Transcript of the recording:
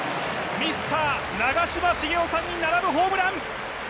ミスター・長嶋茂雄さんに並ぶホームラン。